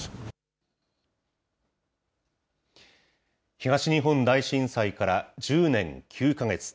東日本大震災から１０年９か月。